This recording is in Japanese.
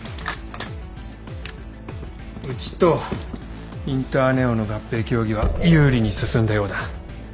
うちとインターネオの合併協議は有利に進んだようだ。